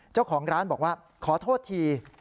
เจ้าของร้านบอกว่าขอโทษที